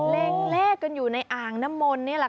เลขเลขกันอยู่ในอ่างนมลนี่แหละค่ะ